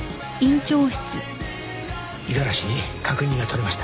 五十嵐に確認が取れました。